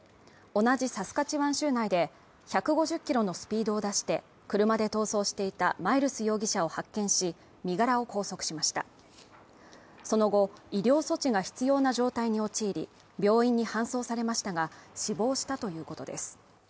同じサスカチワン州内で１５０キロのスピードを出して車で逃走していたマイルス容疑者を発見し身柄を拘束しましたその後医療措置が必要な状態に陥り病院に搬送されましたが死亡したということです